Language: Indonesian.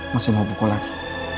masih mau pukul lagi